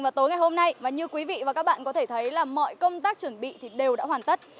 và tối ngày hôm nay và như quý vị và các bạn có thể thấy là mọi công tác chuẩn bị thì đều đã hoàn tất